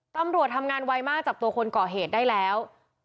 ตำรวจทำงานไวมากจับตัวคนก่อเหตุได้แล้ว